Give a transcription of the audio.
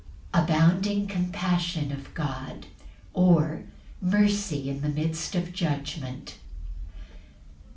S. M. Abounding compassion of God; or, Mercy in the midst of judgment.